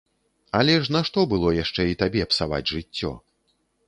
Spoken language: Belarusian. Але ж нашто было яшчэ і табе псаваць жыццё?